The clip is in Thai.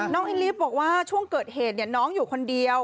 น้องอินรีฟบอกว่าช่วงเกิดเหตุเนี่ยน้องอยู่คนเดียว